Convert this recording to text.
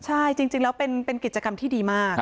ใช่จริงแล้วเป็นกิจกรรมที่ดีมาก